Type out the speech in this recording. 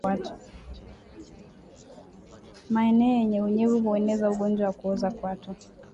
Maeneo yenye unyevu hueneza ugonjwa wa kuoza kwato